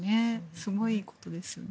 すごいことですよね。